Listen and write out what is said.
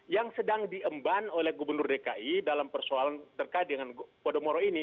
yang sedang diemban oleh gubernur dki dalam persoalan terkait dengan podomoro ini